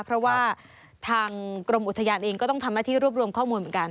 เพราะว่าทางกรมอุทยานเองก็ต้องทำหน้าที่รวบรวมข้อมูลเหมือนกัน